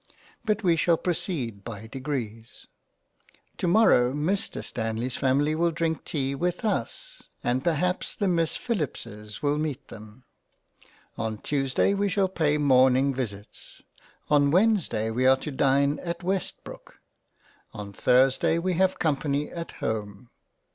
But we shall proceed by degrees. — Tomorrow Mr Stanly's family will drink tea with us, and perhaps the Miss Phillips's will meet them. On Tuesday we shall pay Morning Visits — On Wednesday we are to dine at Westbrook. On Thursday we have Company at home.